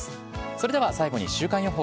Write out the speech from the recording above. それでは最後に週間予報。